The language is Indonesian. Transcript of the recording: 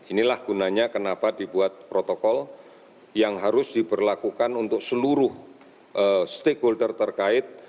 inilah gunanya kenapa dibuat protokol yang harus diberlakukan untuk seluruh stakeholder terkait